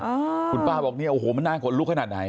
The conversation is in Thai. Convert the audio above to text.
คุณป้าบอกโอ้โหมันน่ากลุกขนาดไหน